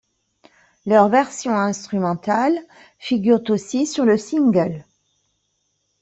Leurs versions instrumentales figurent aussi sur le single.